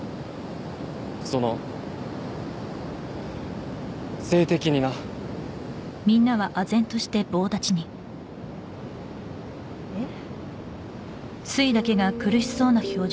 その性的になえっ？